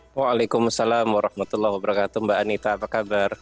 waalaikumsalam warahmatullahi wabarakatuh mbak anita apa kabar